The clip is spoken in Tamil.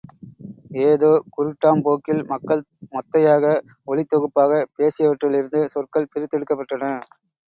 ஏதோ குருட்டாம் போக்கில் மக்கள் மொத்தையாக ஒலித் தொகுப்பாகப் பேசியவற்றிலிருந்து சொற்கள் பிரித்தெடுக்கப்பட்டன.